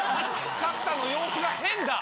角田の様子が変だ！